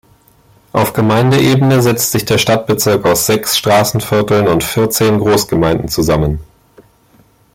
Auf Gemeindeebene setzt sich der Stadtbezirk aus sechs Straßenvierteln und vierzehn Großgemeinden zusammen.